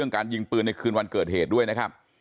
การยิงปืนในคืนวันเกิดเหตุด้วยนะครับ